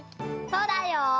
そうだよ。